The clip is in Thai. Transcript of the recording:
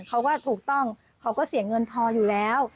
เขาก็ถูกต้องเขาก็เสียเงินพออยู่แล้ว